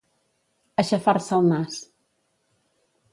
Aixafar-se el nas.